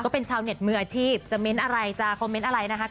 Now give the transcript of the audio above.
เป็นชาวเน็ตมืออาชีพจะเน้นอะไรจะคอมเมนต์อะไรนะคะ